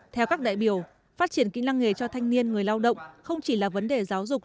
theo các đại biểu phát triển kỹ năng nghề cho thanh niên người lao động không chỉ là vấn đề giáo dục